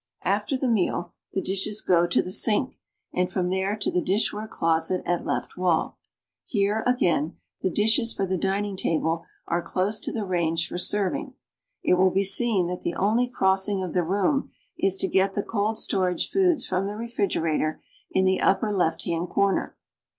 After the meal, the dishes go to the sink, and from there to the dishware closet at left wall. Here, again, the dishes for the dining table are close to the range for serving. Tt will be seen tliat the only crossing of the room is to get the cold storage foods from the refrigerator in the upper left hand c^irner.